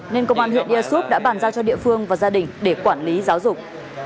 nên công an huyện ia súp đã bàn giao cho địa phương và gia đình để quản lý giáo dục